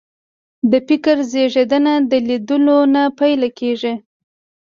د فکر زېږنده د لیدلو نه پیل کېږي